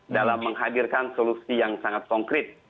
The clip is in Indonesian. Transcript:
dalam menghadirkan solusi yang sangat konkret